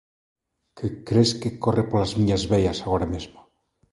Que cres que corre polas miñas veas agora mesmo?